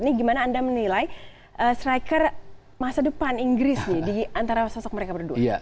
ini gimana anda menilai striker masa depan inggris nih di antara sosok mereka berdua